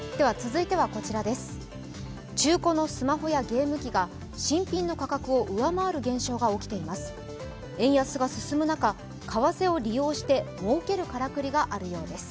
中古のスマホやゲーム機が新品の価格を上回る現象が起きています。